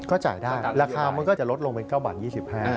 ก็จ่ายได้ราคามันก็จะลดลงเป็น๙บาท๒๕บาท